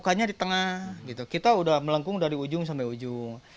bukannya di tengah gitu kita udah melengkung dari ujung sampai ujung